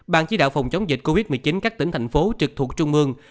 ban chí đạo phòng chống dịch covid một mươi chín các tỉnh thành phố trực thuộc trung mương